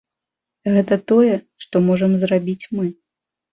Гэта тое, што можам зрабіць мы.